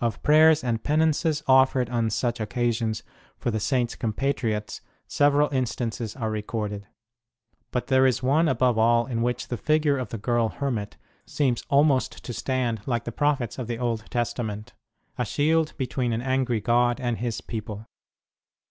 Of prayers and penances offered on such occasions for the Saint s compatriots several instances are recorded ; but there is one above all in which the figure of the girl hermit seems almost to stand like the prophets of the Old Testament a shield between an angry God and His people.